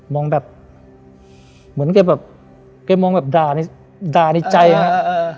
มองแบบเหมือนแกแบบแกมองแบบด่านี่ด่านี่ใจอ่ะเออเออเออ